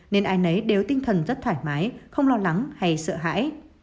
nên ai nấy đều tinh thần rất thoải mái không lo lắng hay sợ hãi